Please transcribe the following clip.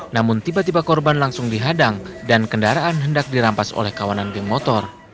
namun tiba tiba korban langsung dihadang dan kendaraan hendak dirampas oleh kawanan geng motor